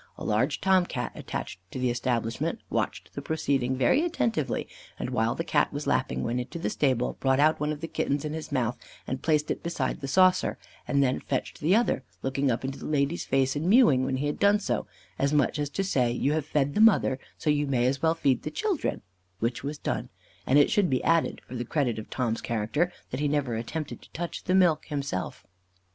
A large Tom Cat, attached to the establishment, watched the proceeding very attentively, and while the Cat was lapping, went to the stable, brought out one of the kittens in his mouth, and placed it beside the saucer, and then fetched the other, looking up into the lady's face, and mewing when he had done so, as much as to say, "You have fed the mother, so you may as well feed the children," which was done; and it should be added, for the credit of Tom's character, that he never attempted to touch the milk himself.